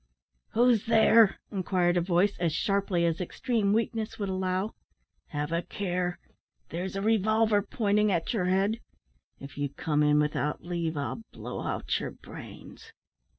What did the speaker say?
"Who's there?" inquired a voice, as sharply as extreme weakness would allow. "Have a care! There's a revolver pointing at your head. If you come in without leave, I'll blow out your brains."